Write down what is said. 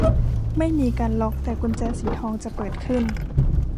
ไม่มีการล็อค แต่กุญแจสีทองจะเปิดขึ้น